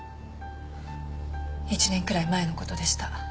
１年くらい前の事でした。